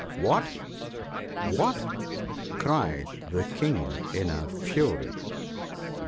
* What ! what !' cried the King in a fury.